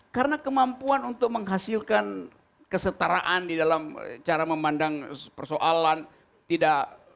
karena kemampuan untuk menghasilkan kesetaraan di dalam cara memandang persoalan tidak